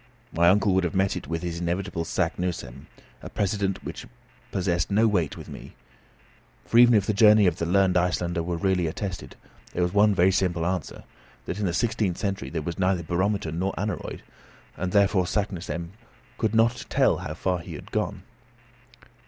My uncle would have met it with his inevitable Saknussemm, a precedent which possessed no weight with me; for even if the journey of the learned Icelander were really attested, there was one very simple answer, that in the sixteenth century there was neither barometer or aneroid and therefore Saknussemm could not tell how far he had gone.